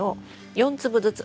４粒ずつ。